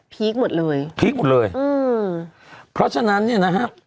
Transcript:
คหมดเลยพีคหมดเลยอืมเพราะฉะนั้นเนี่ยนะฮะ